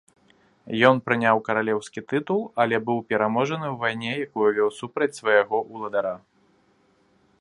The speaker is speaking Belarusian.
Ён прыняў каралеўскі тытул, але быў пераможаны ў вайне, якую вёў супраць свайго ўладара.